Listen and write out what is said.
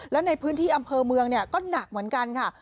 แล้วในพื้นที่อำเภอเมืองก็หนักเหมือนกันค่ะ